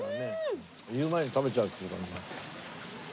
言う前に食べちゃうっていう感じ。